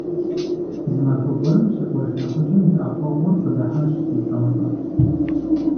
Зы махуэ гуэрым си къуэш нэхъыжьым и Ӏэхъуэгъур къыдыхьащ ди пщӀантӀэ.